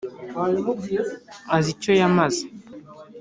azi icyo yamaze